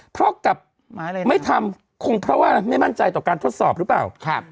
เพราะกลับไม่ทำคงเพราะว่าไม่มั่นใจต่อการทดสอบหรือเปล่า